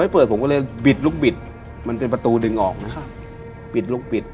เปิดผมก็เลยบิดลูกบิดมันเป็นประตูดึงออกนะครับบิดลูกบิด